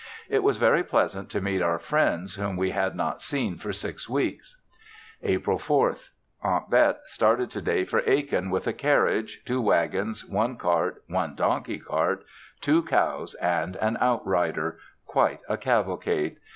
It was very pleasant to meet our friends, whom we had not seen for six weeks. April 4th. Aunt Bet started to day for Aiken with a carriage, two wagons, one cart, one donkey cart, two cows and an outrider, quite a cavalcade!